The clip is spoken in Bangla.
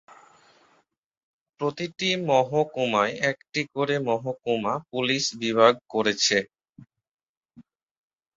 প্রতিটি মহকুমায় একটি করে মহকুমা পুলিশ বিভাগ করেছে।